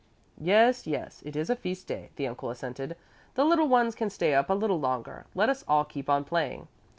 "Yes, yes, it is a feast day," the uncle assented; "the little ones can stay up a little longer. Let us all keep on playing."